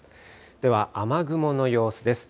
では雨雲の様子です。